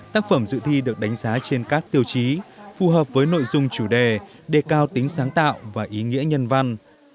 tác phẩm dự thi được đánh giá trên các tiêu chí phù hợp với nội dung chủ đề đề cao tính sáng tạo và ý nghĩa nhân văn